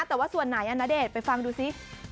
แต่ว่าส่วนไหนณเดชน์ไปฟังดูซิ